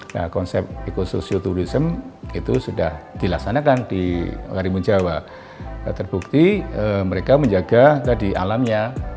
nah konsep ekososioturism itu sudah dilaksanakan di karimun jawa terbukti mereka menjaga tadi alamnya